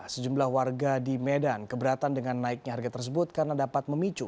sejumlah warga di medan keberatan dengan naiknya harga tersebut karena dapat memicu